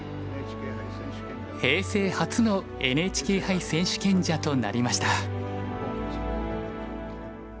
平成初のＮＨＫ杯選手権者となりました。